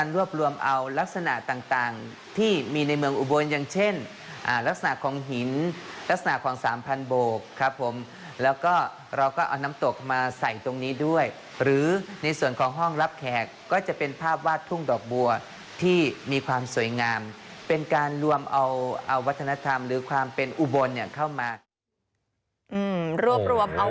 รวบรวมเอาวัฒนธรรมหรือความเป็นอุบลเข้ามา